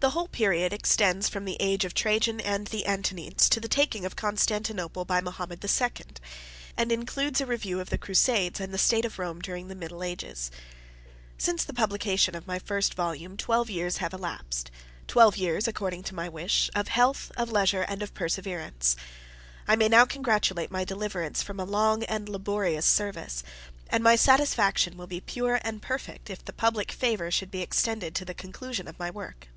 The whole period extends from the age of Trajan and the Antonines, to the taking of Constantinople by Mahomet the Second; and includes a review of the Crusades, and the state of Rome during the middle ages. Since the publication of the first volume, twelve years have elapsed; twelve years, according to my wish, "of health, of leisure, and of perseverance." I may now congratulate my deliverance from a long and laborious service, and my satisfaction will be pure and perfect, if the public favor should be extended to the conclusion of my work.